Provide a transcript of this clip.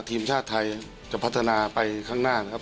ทีมชาติไทยจะพัฒนาไปข้างหน้านะครับ